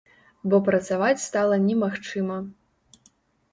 Бо працаваць стала немагчыма.